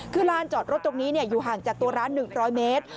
คือลานจอดรถตรงนี้อยู่ห่างจากตัวร้าน๑๐๐เมตร